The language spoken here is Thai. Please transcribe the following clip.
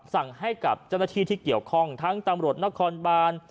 สั่งให้กับเจ้าหน้าที่ที่เกี่ยวข้องทั้งตำรวจนครบาน